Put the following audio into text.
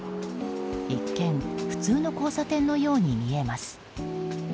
一見、普通の交差点のように見えます。